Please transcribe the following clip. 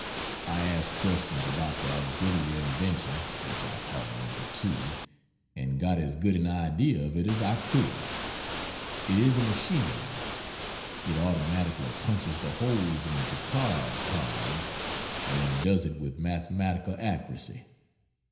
I asked questions about the auxiliary invention (which I call "No. 2 ") and got as good an idea of it as I could. It is a machine. It automatically punches the holes in the jacquard cards, and does it with mathematical accuracy.